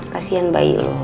kasian bayi lo